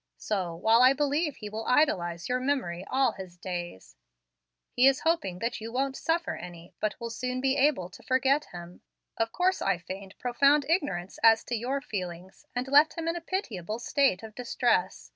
So, while I believe he will idolize your memory all his days, he is hoping that you won't suffer any, but will soon be able to forget him. Of course I feigned profound ignorance as to your feelings, and left him in a pitiable state of distress.